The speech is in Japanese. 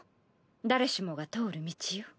誰しもが通る道よ。